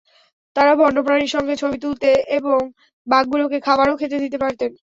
তাঁরা বন্য প্রাণীর সঙ্গে ছবি তুলতে এবং বাঘগুলোকে খাবারও খেতে দিতে পারতেন।